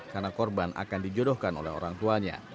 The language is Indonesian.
karena korban akan dijodohkan oleh orang tuanya